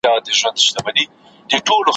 نه د جنډۍ په ننګولو د بابا سمېږي,